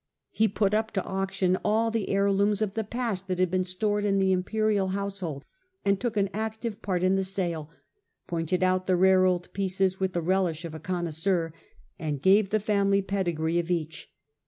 He put up to auction exh^st^d ^ heirlooms of the past that had been coffers. stored in the imperial household, took an active part even in the sale, pointed out the rare old pieces with all the relish of a connoisseur, and gave the family pedigree of each.